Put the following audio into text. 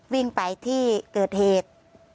วิ่งไปที่เกิดเหตุ